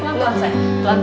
kamu kenapa sayang